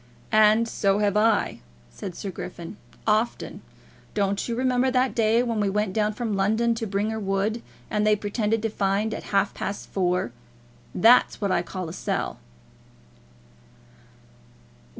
"And so have I," said Sir Griffin; "often. Don't you remember that day when we went down from London to Bringher Wood, and they pretended to find at half past four? That's what I call a sell."